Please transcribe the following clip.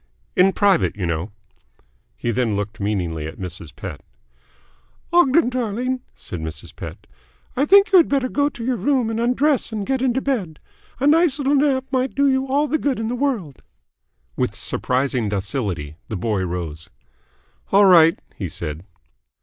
"In private, you know." He then looked meaningly at Mrs. Pett. "Ogden darling," said Mrs. Pett, "I think you had better go to your room and undress and get into bed. A little nice sleep might do you all the good in the world." With surprising docility, the boy rose. "All right," he said.